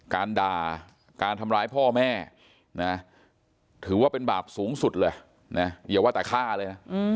การด่าการทำร้ายพ่อแม่นะถือว่าเป็นบาปสูงสุดเลยนะอย่าว่าแต่ฆ่าเลยนะ